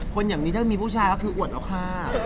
คนอย่างนี้ถ้ามีผู้ชายก็คืออวดแล้วค่ะ